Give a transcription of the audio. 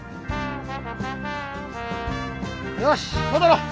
よし戻ろう。